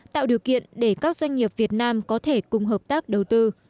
tạo điều kiện để các doanh nghiệp việt nam có thể cùng hợp tác đầu tư